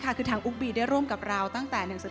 เพราะฉะนั้นเราทำกันเนี่ย